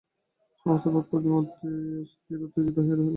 সমস্ত পথ মতি অস্থির, উত্তেজিত হইয়া রহিল!